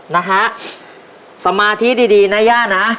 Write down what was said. นะฮะสมาธิดีนะย่านะ